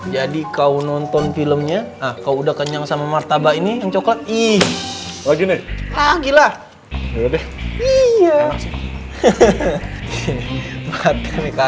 jadi kau nonton filmnya kau udah kenyang sama martabak ini yang coklat